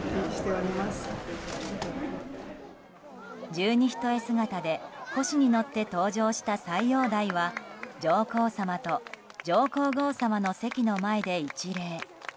十二単姿で輿に乗って登場した斎王代は上皇さまと上皇后さまの席の前で一礼。